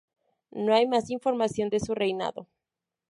No hay más información de su reinado.